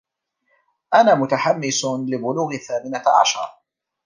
أنا متحمّس لبلوغ الثّامنة عشر.